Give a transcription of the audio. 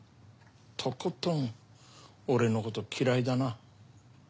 とことん俺のこと嫌いだな。